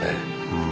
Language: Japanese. うん。